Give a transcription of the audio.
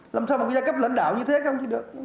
làm sao mà cái giai cấp lãnh đạo như thế không